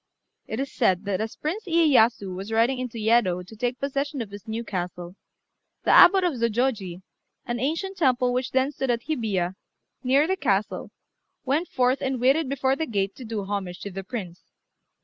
It is said that as Prince Iyéyasu was riding into Yedo to take possession of his new castle, the Abbot of Zôjôji, an ancient temple which then stood at Hibiya, near the castle, went forth and waited before the gate to do homage to the Prince.